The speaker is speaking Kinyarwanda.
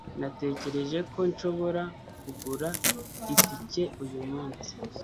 Natekereje ko nshobora kugura itike uyu munsi.